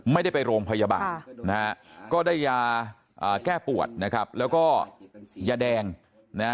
ไม่ได้ไปโรงพยาบาลนะฮะก็ได้ยาแก้ปวดนะครับแล้วก็ยาแดงนะฮะ